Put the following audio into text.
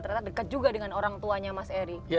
ternyata dekat juga dengan orang tuanya mas eri